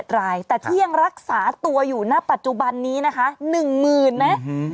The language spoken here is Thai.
๗รายแต่ที่ยังรักษาตัวอยู่ณปัจจุบันนี้นะคะ๑หมื่นนะ